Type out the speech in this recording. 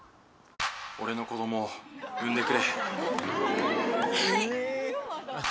俺の子どもを産んでくれ。